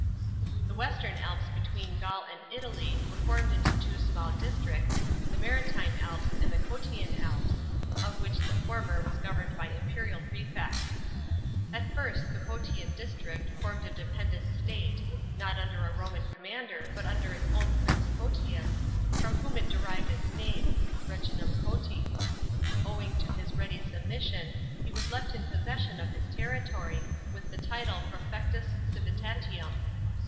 The western Alps b3twcen Gaul end Italy were formed into two small districts, the Maritime Alps, and the Cottian Alps, of which the former was governed by imperial prefects.* At first the Cottian district formed a de pendent state, not under a Roman commander, but undar its own prince Cottius, from whom it derived its name (regnum Cottii). Owing to his ready submission, he was left in possession of his territory, with the title prcefectus civitatium.